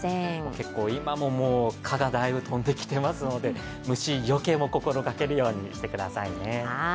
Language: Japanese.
結構今も蚊がだいぶ飛んできていますので虫よけも心がけるようにしてくださいね。